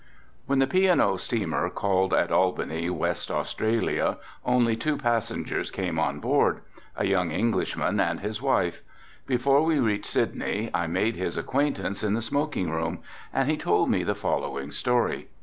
When the P. & O. steamer called at Albany, West Australia, only two passengers came on board, a young Englishman and his wife. Before we reached Sydney I made his acquaintance in the smoking room and he told me the following story.